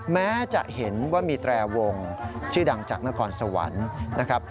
แม้จะเห็นว่ามีแตรวงชื่อดังจากนครสวรรค์นะครับ